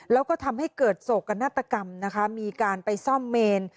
แล้วก็ทำให้เกิดโศกนาฏกรรมนะคะมีการไปซ่อมเมน